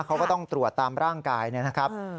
เขาก็ต้องตรวจตามร่างกายนะครับ